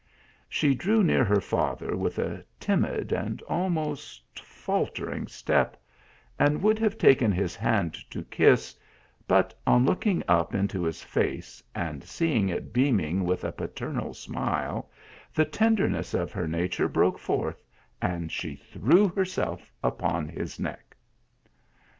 She drew near her father with a timid and almost faltering step, and would have taken his hand to kiss, but on looking up into his face, and seeing it beaming with a paternal smile, the tenderness of her nature broke forth, and she threw herself upon his neck.